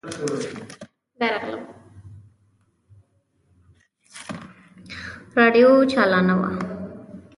راډيو چالانه وه.